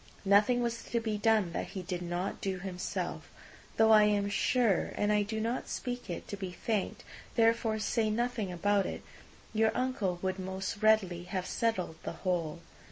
Nothing was to be done that he did not do himself; though I am sure (and I do not speak it to be thanked, therefore say nothing about it) your uncle would most readily have settled the whole.